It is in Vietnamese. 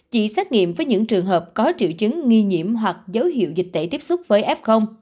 chỉ xét nghiệm với những trường hợp có triệu chứng nghi nhiễm hoặc dấu hiệu dịch tễ tiếp xúc với f